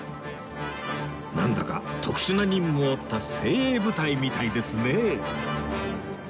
なんだか特殊な任務を負った精鋭部隊みたいですねえ